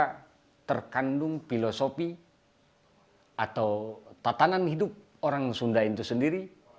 karena terkandung filosofi atau tatanan hidup orang sunda itu sendiri